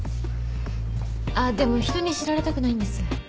あぁでも人に知られたくないんです。